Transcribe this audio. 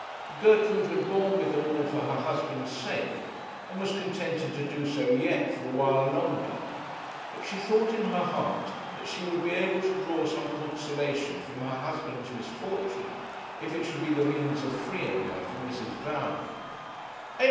Gertrude had borne with them all for her husband's sake; and was contented to do so yet for a while longer, but she thought in her heart that she would be able to draw some consolation from her husband's misfortune if it should be the means of freeing her from Mrs. Val.